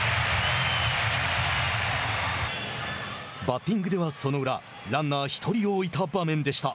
バッティングでは、その裏ランナー１人を置いた場面でした。